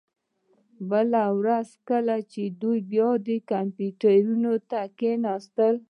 بله ورځ کله چې دوی بیا کمپیوټرونو ته کښیناستل